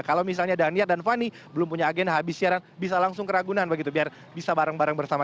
kalau misalnya daniar dan fani belum punya agenda habis siaran bisa langsung ke ragunan begitu biar bisa bareng bareng bersama